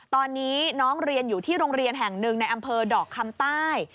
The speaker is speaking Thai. ตอนนี้น้องเรียนอยู่ที่โรงเรียนแห่งหนึ่งในอำเภอดอกคำใต้